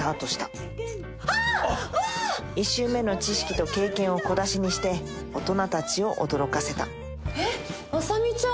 １週目の知識と経験を小出しにして大人たちを驚かせたえっ麻美ちゃん！